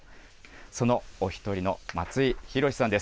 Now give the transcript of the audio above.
そのお一人の松井宏さんです。